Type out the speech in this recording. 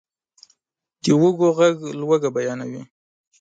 د وږو ږغ لوږه بیانوي.